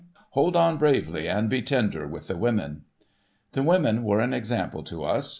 ' Hold on bravely, and be tender with the women.' The women were an example to us.